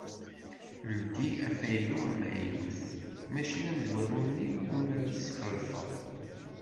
Ldi afaylu amaynut mačči d amezwaru-nni iwumi ara tesxelfeḍ.